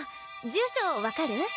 住所分かる？